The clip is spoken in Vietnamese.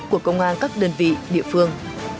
của công an các đơn vị địa phương